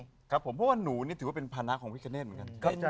นะครับคุณแต่หนูนี่ถือว่าเป็นภาณาของพิกเกณฑ์เหมือนกัน